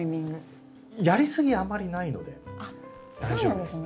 やりすぎあまりないので大丈夫です。